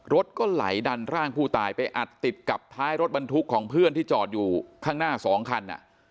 รถก็ไหลดันร่างผู้ตายไปอัดติดกับท้ายรถบรรทุกของเพื่อนที่จอดอยู่ข้างหน้า๒คัน